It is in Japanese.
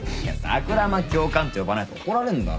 桜間教官って呼ばないと怒られんだろ。